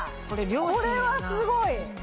これはすごい！